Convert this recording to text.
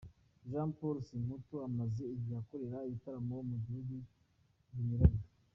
Jean Paul Samputu amaze igihe akorera ibitaramo mu bihugu binyuranye.